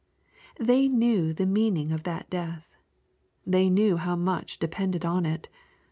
'' They knew the meaning of that death. They knew how much depended on it.